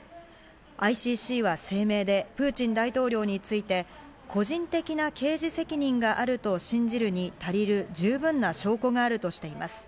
ＩＣＣは声明で、プーチン大統領について個人的な刑事責任があると信じるに足りる十分な証拠があるとしています。